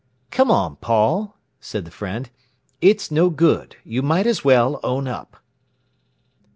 "Come on, Paul," said the friend; "it's no good. You might just as well own up."